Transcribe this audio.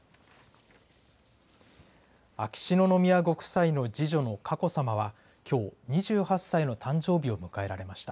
秋篠宮ご夫妻の次女の佳子さまは、きょう、２８歳の誕生日を迎えられました。